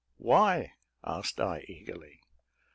"Why?" asked I, eagerly.